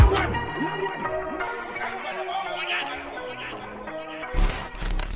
masel ada pesan apa untuk mama disini